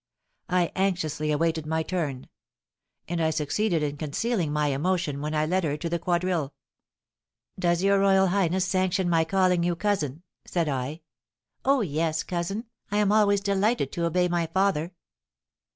I anxiously awaited my turn; and I succeeded in concealing my emotion when I led her to the quadrille. "Does your royal highness sanction my calling you cousin?" said I. "Oh, yes, cousin, I am always delighted to obey my father."